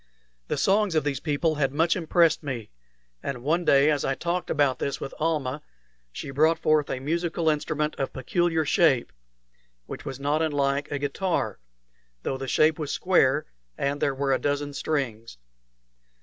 The songs of these people had much impressed me; and one day, as I talked about this with Almah, she brought forth a musical instrument of peculiar shape, which was not unlike a guitar, though the shape was square and there were a dozen strings.